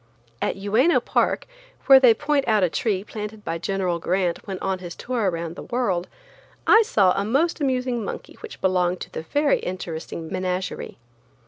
At Uyeno park, where they point out a tree planted by General Grant when on his tour around the world, I saw a most amusing monkey which belonged to the very interesting menagerie.